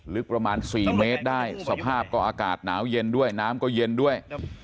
ลึกประมาณ๔เมตรได้สภาพก็อากาศหนาวเย็นด้วยน้ำก็เย็นด้วย